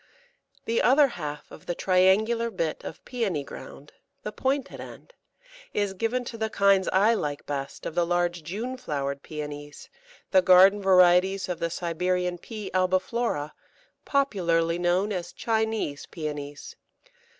The other half of the triangular bit of Pæony ground the pointed end is given to the kinds I like best of the large June flowered Pæonies, the garden varieties of the Siberian P. albiflora, popularly known as Chinese Pæonies.